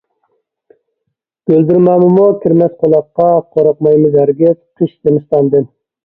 گۈلدۈرمامىمۇ كىرمەس قۇلاققا، قورقمايمىز ھەرگىز قىش - زىمىستاندىن.